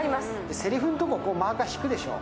せりふのとこ、マーカー引くでしょ